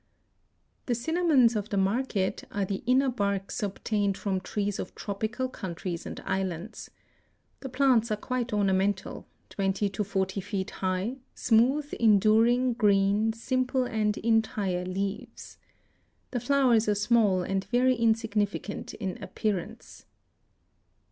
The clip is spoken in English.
The cinnamons of the market are the inner barks obtained from trees of tropical countries and islands. The plants are quite ornamental; twenty to forty feet high; smooth, enduring, green, simple and entire leaves. The flowers are small and very insignificant in appearance.